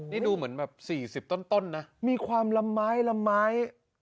นี่ดูเหมือนแบบ๔๐ต้นนะมีความละไม้ละไม้